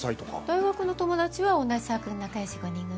大学の友達は同じサークルの仲よし５人組。